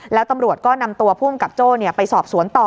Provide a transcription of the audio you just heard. แล้วตำรวจก็นำตัวผู้อำกับโจ้ไปสอบสวนต่อ